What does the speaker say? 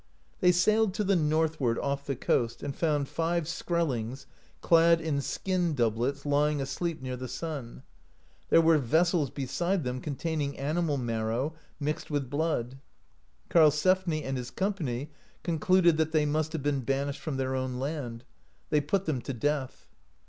They sailed to the northward off the coast, and found five Skrellings, clad in skin doublets, ly ing asleep near the sea. There were vessels beside them containing animal marrow, mixed with blood. Karlsefni and his company concluded that they must have been ban ished from their own land. They put them to death.'